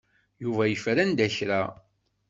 Yuba yeffer anda kra.